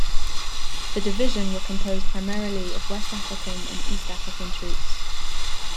The division were composed primarily of West African and East African troops.